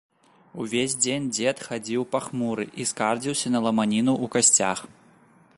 Увесь дзень дзед хадзіў пахмуры і скардзіўся на ламаніну ў касцях.